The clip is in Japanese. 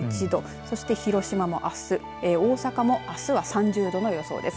そして広島も、あす大阪もあすは３０度の予想です。